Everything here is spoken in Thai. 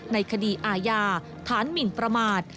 ในคดีอาญาฐานหมินประมาท